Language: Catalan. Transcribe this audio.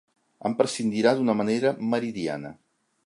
En prescindirà d'una manera meridiana.